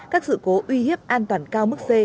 các sự cố uy hiếp an toàn cao mức c